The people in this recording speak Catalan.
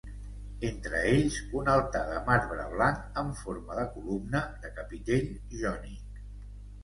Entre ells, un altar de marbre blanc en forma de columna de capitell jònic.